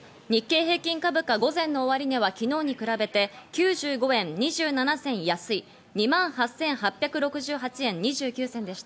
日経平均株価、午前の終値は昨日に比べて９５円２７銭安い、２万８８６８円２９銭でした。